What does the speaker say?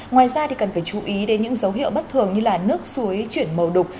ngoài ra thì cần phải chú ý đến những dấu hiệu bất thường như nước suối chuyển màu đục